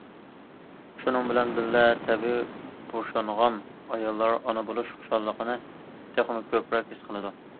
شۇنىڭ بىلەن بىللە، تەبىئىي بوشانغان ئاياللار ئانا بولۇش خۇشاللىقىنى تېخىمۇ كۆپرەك ھېس قىلىدۇ.